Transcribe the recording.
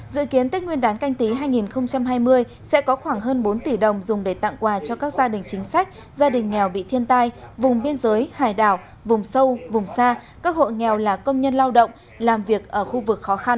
dự kiến tết nguyên đán canh tí hai nghìn hai mươi sẽ có khoảng hơn bốn tỷ đồng dùng để tặng quà cho các gia đình chính sách gia đình nghèo bị thiên tai vùng biên giới hải đảo vùng sâu vùng xa các hộ nghèo là công nhân lao động làm việc ở khu vực khó khăn